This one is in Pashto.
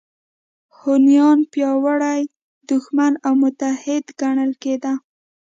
هونیان پیاوړی دښمن او متحد ګڼل کېده